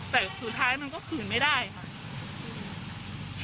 แต่สุดท้ายมันก็คืนไม่ได้ค่ะ